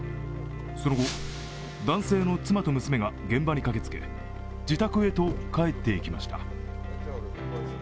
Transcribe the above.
その後、男性の妻と娘が現場に駆けつけ、自宅へと帰っていきました。